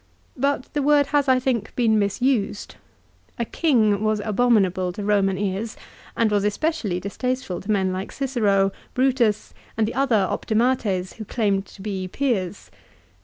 But the word has I think been misused. A king was abominable to Eoman ears, and was especially distasteful to men like Cicero, Brutus, and the other " optimates " who claimed to be peers.